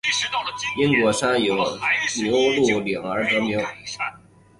因库区有山名牛路岭而得名。